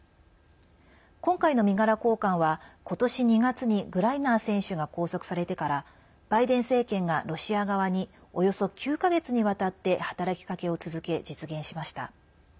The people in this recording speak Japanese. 今回の身柄交換は今年２月にグライナー選手が拘束されてからバイデン政権がロシア側におよそ９か月にわたって働きかけを続け、実現しました。